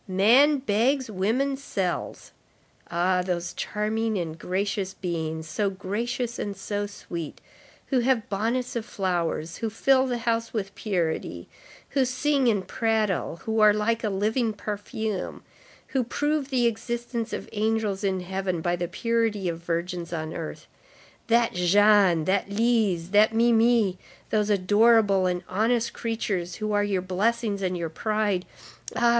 Man begs, woman sells. Ah! those charming and gracious beings, so gracious and so sweet, who have bonnets of flowers, who fill the house with purity, who sing and prattle, who are like a living perfume, who prove the existence of angels in heaven by the purity of virgins on earth, that Jeanne, that Lise, that Mimi, those adorable and honest creatures who are your blessings and your pride, ah!